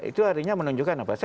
itu artinya menunjukkan apa